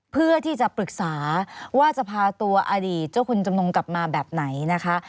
เพื่อที่จะปรึกษาว่าจะพาตัวอดีตเจ้าคุณจำนงกลับมาแบบไหนนะคะ